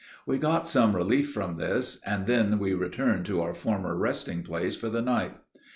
We got some relief from this, and then we returned to our former resting place for the night.